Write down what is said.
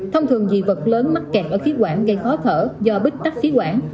thông thường dị vật lớn mắc kẹt ở khí quảng gây khó thở do bích tắt khí quảng